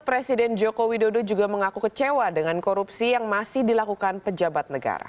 presiden joko widodo juga mengaku kecewa dengan korupsi yang masih dilakukan pejabat negara